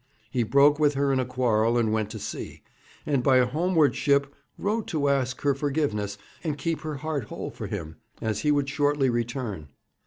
He broke with her in a quarrel, and went to sea, and by a homeward ship wrote to ask her forgiveness and keep her heart whole for him, as he would shortly return.